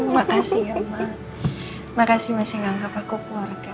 makasih ya ma makasih masih nganggep aku keluarga